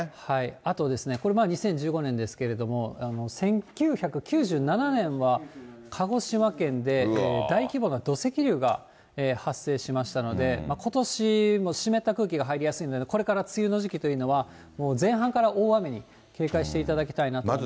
あとですね、これ、２０１５年ですけど、１９９７年は、鹿児島県で大規模な土石流が発生しまして、ことしも湿った空気が入りやすいので、これから梅雨の時期というのは、もう前半から大雨に警戒していただきたいなと思います。